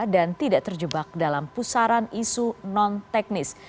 dan tidak terjebak dalam pusaran isu non teknis